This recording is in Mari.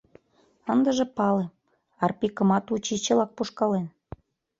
Ындыже пале: Арпикымат учичылак пужкален.